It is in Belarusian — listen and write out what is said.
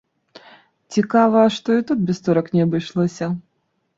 Цікава, што і тут без турак не абышлося.